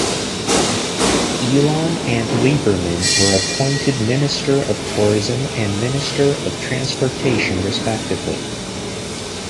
Elon and Lieberman were appointed Minister of Tourism and Minister of Transportation respectively.